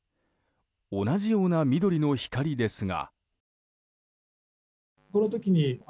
同じような緑の光ですが。